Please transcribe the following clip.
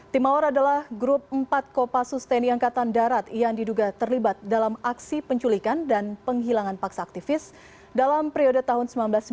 tim mawar adalah grup empat kopasus tni angkatan darat yang diduga terlibat dalam aksi penculikan dan penghilangan paksa aktivis dalam periode tahun seribu sembilan ratus sembilan puluh delapan seribu sembilan ratus sembilan puluh sembilan